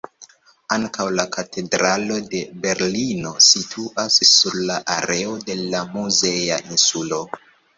Ankaŭ la Katedralo de Berlino situas sur la areo de la muzea insulo.